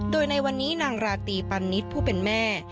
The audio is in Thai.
โดยในวันนี้นางราตรีปันนิษฐ์ผู้เป็นแม่